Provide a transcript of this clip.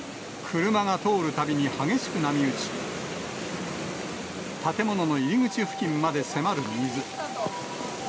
車が通るたびに激しく波打ち、建物の入り口付近まで迫る水。